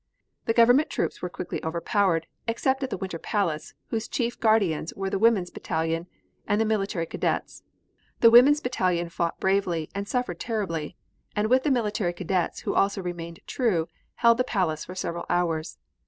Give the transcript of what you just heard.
The government troops were quickly overpowered, except at the Winter Palace, whose chief guardians were the Woman's Battalion, and the Military Cadets. The Woman's Battalion fought bravely, and suffered terribly, and with the Military Cadets who also remained true, held the Palace for several hours.